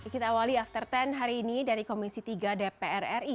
kita awali after sepuluh hari ini dari komisi tiga dpr ri